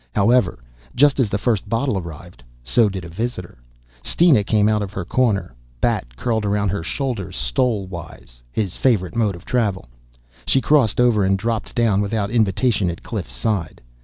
However, just as the first bottle arrived, so did a visitor. Steena came out of her corner, Bat curled around her shoulders stole wise, his favorite mode of travel. She crossed over and dropped down without invitation at Cliff's side.